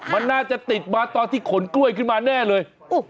มันน่าจะติดมาตอนที่ขนกล้วยขึ้นมาแน่เลย